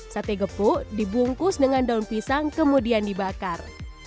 sate gepuk dibungkus dengan daun pisang kemudian dibakar